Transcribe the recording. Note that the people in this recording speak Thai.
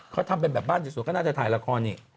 เขาทำเป็นแบบบ้านสวยก็น่าจะถ่ายละครนี่